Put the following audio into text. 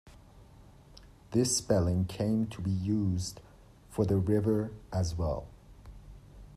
This spelling came to be used for the river as well.